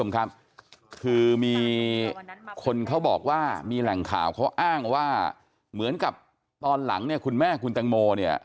คือมีคนเขาบอกว่ามีแหล่งข่าวเขาอ้างว่าเหมือนกับตอนหลังคุณแม่คุณตังโม